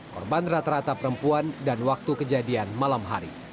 korban rata rata perempuan dan waktu kejadian malam hari